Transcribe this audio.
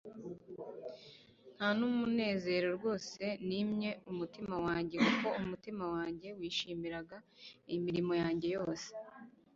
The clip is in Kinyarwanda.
nta n'umunezero wose nimye umutima wanjye, kuko umutima wanjye wishimiraga imirimo yanjye yose